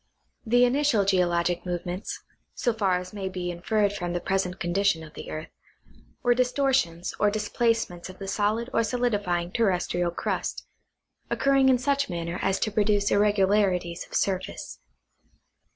28 National OeograjpJiic Magazine. The initial geologic movements (so far as may be inferred from the present condition of the earth) were distortions or dis placements of the solid or solidifying terrestrial crust, occurring in such manner as to produce irregularities of surface.